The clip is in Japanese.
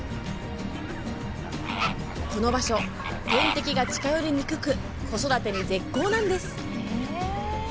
この場所、天敵が近寄りにくく子育てに絶好なんです。